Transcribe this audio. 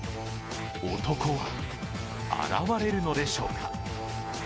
男は現れるのでしょうか。